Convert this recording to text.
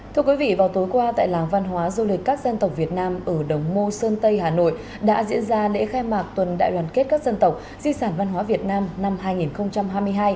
thưa quý vị vào tối qua tại làng văn hóa du lịch các dân tộc việt nam ở đồng mô sơn tây hà nội đã diễn ra lễ khai mạc tuần đại đoàn kết các dân tộc di sản văn hóa việt nam năm hai nghìn hai mươi hai